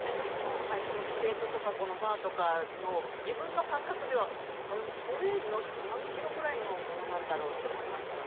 このプレートとかバーとかの自分の感覚ではこれ、何キロくらいのものなんだろうと思いますよね。